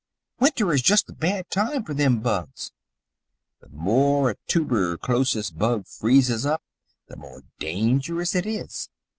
"Winter is just the bad time for them bugs. The more a toober chlosis bug freezes up the more dangerous it is.